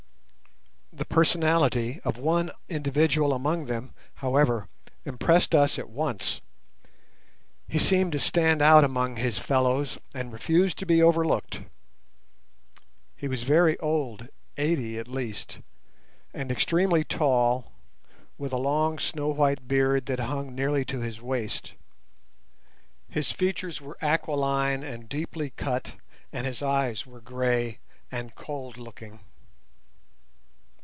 The personality of one individual among them, however, impressed us at once. He seemed to stand out among his fellows and refuse to be overlooked. He was very old—eighty at least—and extremely tall, with a long snow white beard that hung nearly to his waist. His features were aquiline and deeply cut, and his eyes were grey and cold looking.